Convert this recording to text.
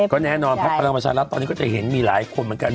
ก็แน่นอนพักพลังประชารัฐตอนนี้ก็จะเห็นมีหลายคนเหมือนกัน